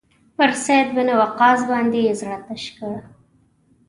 پر سعد بن وقاص باندې یې زړه تش کړی.